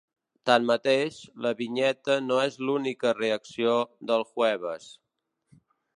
Tanmateix, la vinyeta no és l’única reacció dEl jueves.